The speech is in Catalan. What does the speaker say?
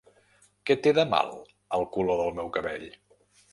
Què té de mal el color del meu cabell?